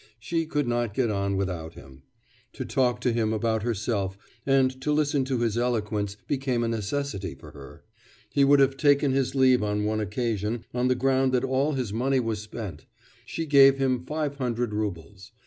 She could not get on without him. To talk to him about herself and to listen to his eloquence became a necessity for her. He would have taken his leave on one occasion, on the ground that all his money was spent; she gave him five hundred roubles.